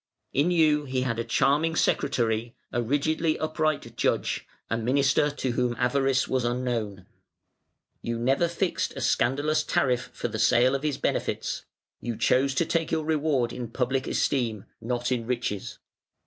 In you he had a charming secretary, a rigidly upright judge, a minister to whom avarice was unknown. You never fixed a scandalous tariff for the sale of his benefits; you chose to take your reward in public esteem, not in riches.